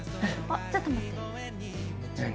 あっちょっと待って。